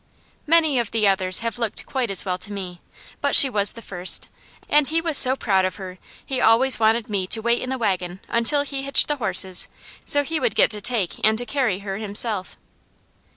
Many of the others have looked quite as well to me, but she was the first, and he was so proud of her he always wanted me to wait in the wagon until he hitched the horses, so he would get to take and to carry her himself.